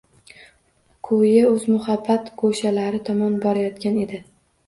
Ko’yi o’z muhabbat go’shalari tomon borayotgan edi.